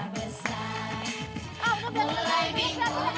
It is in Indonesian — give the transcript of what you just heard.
mulai berlaga pikul